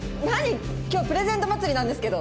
今日プレゼント祭りなんですけど。